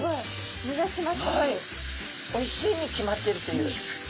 おいしいに決まってるという。